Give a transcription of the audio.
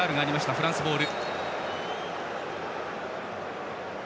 フランスボール。